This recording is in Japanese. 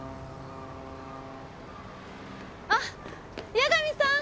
あっ八神さん！